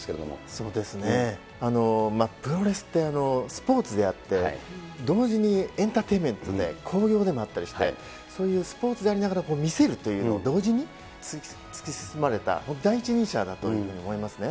そうですね、プロレスってスポーツであって、同時にエンターテインメントで、興行でもあったりして、そういうスポーツでありながら見せるというのを同時に突き進まれた、もう第一人者だと思いますね。